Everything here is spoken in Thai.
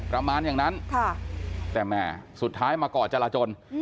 ประมาณอย่างนั้นแต่แหม่สุดท้ายมาก่อจราจน